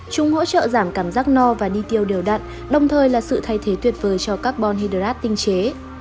chúng hỗ trợ giảm cảm giác no và đi tiêu đều đặn đồng thời là sự thay thế tuyệt vời cho carbon hydrat tinh chế